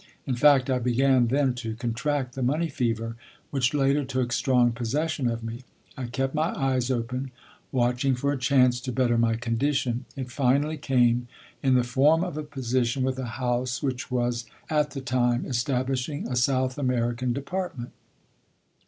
In fact, I began then to contract the money fever, which later took strong possession of me. I kept my eyes open, watching for a chance to better my condition. It finally came in the form of a position with a house which was at the time establishing a South American department.